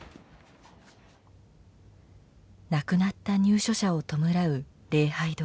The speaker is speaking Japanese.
亡くなった入所者を弔う礼拝堂。